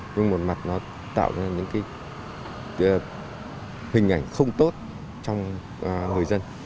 nhưng một mặt nó tạo ra những cái hình ảnh không tốt trong người dân